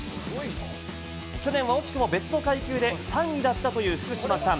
去年は惜しくも別の階級で３位だったという福島さん。